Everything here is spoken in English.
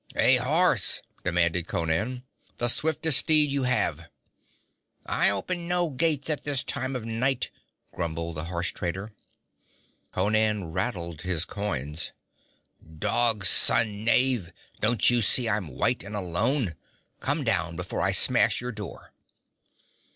'A horse,' demanded Conan. 'The swiftest steed you have.' 'I open no gates at this time of night,' grumbled the horse trader. Conan rattled his coins. 'Dog's son knave! Don't you see I'm white, and alone? Come down, before I smash your door!'